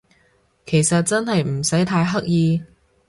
其實真係唔使太刻意